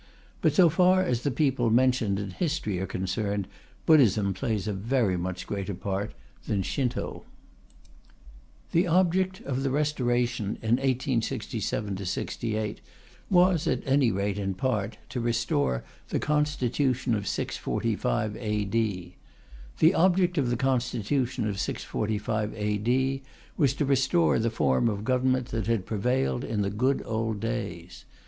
But so far as the people mentioned in history are concerned, Buddhism plays a very much greater part than Shinto. The object of the Restoration in 1867 8 was, at any rate in part, to restore the constitution of 645 A.D. The object of the constitution of 645 A.D. was to restore the form of government that had prevailed in the good old days.